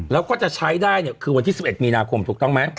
แล้วก็จะใช้ได้เนี่ยคือวันที่๑๑มีนาคมถูกต้องไหม